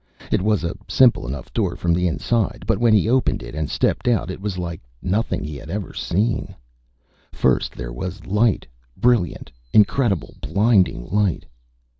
It was a simple enough door from the inside. But when he opened it and stepped out, it was like nothing he had ever seen. First there was light brilliant, incredible, blinding light.